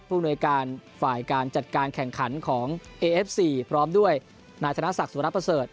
อำนวยการฝ่ายการจัดการแข่งขันของเอเอฟซีพร้อมด้วยนายธนศักดิ์สุรประเสริฐ